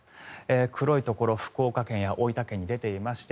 黒いところ福岡県や大分県に出ていまして